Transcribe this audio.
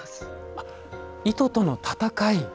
あっ糸との戦い。